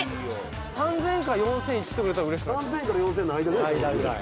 「３０００円か４０００円いっててくれたらうれしくないですか？」